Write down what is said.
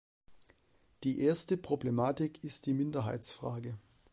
Die erste Problematik ist die Minderheitenfrage.